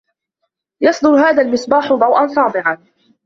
يصدر هذا المصباح ضوءا ساطعا.